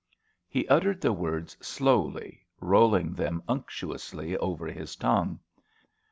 He uttered the words slowly, rolling them unctuously over his tongue.